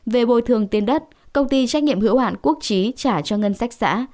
về bồi thường tiền đất công ty trách nhiệm hữu hạn quốc trí trả cho ngân sách xã